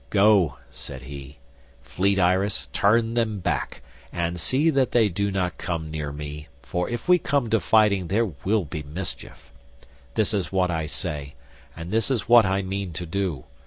"Go," said he, "fleet Iris, turn them back, and see that they do not come near me, for if we come to fighting there will be mischief. This is what I say, and this is what I mean to do.